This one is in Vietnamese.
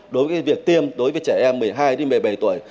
đối với việc tiêm đối với trẻ em một mươi hai một mươi bảy tuổi